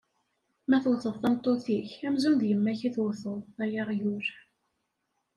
Ma tewteḍ tameṭṭut-ik amzun d yemma-k i tewteḍ, ay aɣyul.